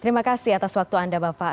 terima kasih atas waktu anda bapak